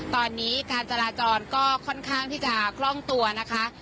ตอนนี้การจราจรก็ค่อนข้างที่จะคล่องตัวนะคะ